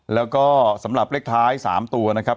แล้วก็สำหรับเลขท้าย๓ตัวนะครับ